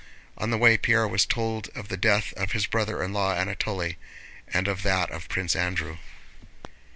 On the way Pierre was told of the death of his brother in law Anatole and of that of Prince Andrew.